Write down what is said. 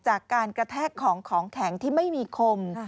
จากการกระแทกของของแข็งที่ไม่มีคม